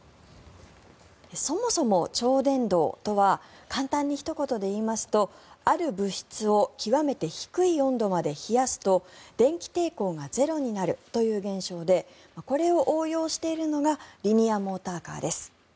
そもそも、超電導とは簡単にひと言で言いますとある物質を極めて低い温度まで冷やすと電気抵抗がゼロになるという現象でこれを応用しているのがリニアモーターカーです。